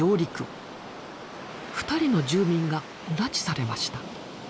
２人の住民が拉致されました。